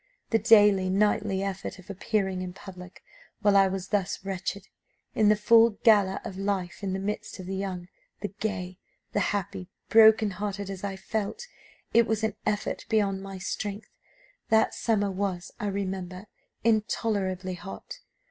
The daily, nightly, effort of appearing in public, while I was thus wretched, in the full gala of life in the midst of the young, the gay, the happy broken hearted as I felt it was an effort beyond my strength. That summer was, I remember, intolerably hot.